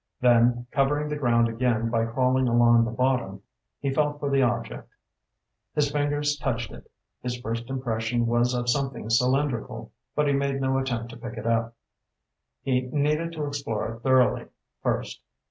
Then, covering the ground again by crawling along the bottom, he felt for the object. His fingers touched it. His first impression was of something cylindrical, but he made no attempt to pick it up. He needed to explore it thoroughly, first.